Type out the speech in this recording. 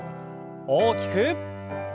大きく。